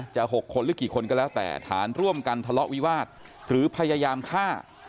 ๖คนหรือกี่คนก็แล้วแต่ฐานร่วมกันทะเลาะวิวาสหรือพยายามฆ่า